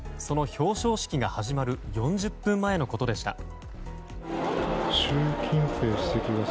その表彰式が始まる４０分前のことでした。